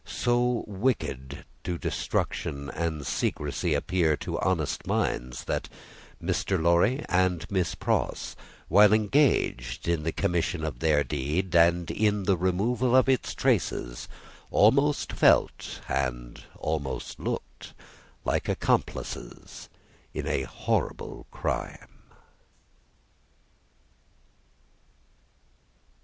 So wicked do destruction and secrecy appear to honest minds, that Mr. Lorry and Miss Pross, while engaged in the commission of their deed and in the removal of its traces, almost felt, and almost looked, like accomplices in a horrible crime.